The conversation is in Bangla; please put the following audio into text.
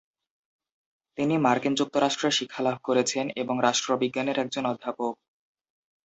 তিনি মার্কিন যুক্তরাষ্ট্রে শিক্ষা লাভ করেছেন এবং রাষ্ট্রবিজ্ঞানের একজন অধ্যাপক।